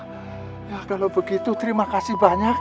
ya kalau begitu terima kasih banyak